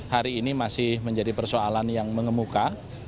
hari ini masih menjadi persoalan yang mengemuka